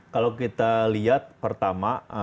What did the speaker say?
kalau kita lihat pertama